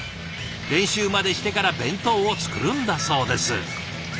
練習までしてから弁当を作るんだそうです。